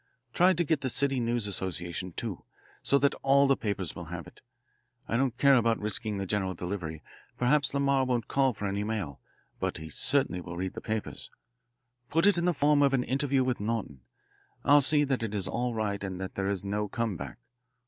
Try to get the City News Association, too, so that all the papers will have it. I don't care about risking the general delivery perhaps Lamar won't call for any mail, but he certainly will read the papers. Put it in the form of an interview with Norton I'll see that it is all right and that there is no come back.